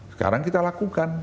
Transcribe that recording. sekarang kita lakukan